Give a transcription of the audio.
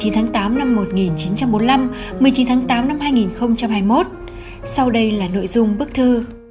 một mươi tháng tám năm một nghìn chín trăm bốn mươi năm một mươi chín tháng tám năm hai nghìn hai mươi một sau đây là nội dung bức thư